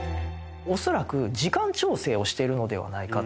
恐らく時間調整をしているのではないかと。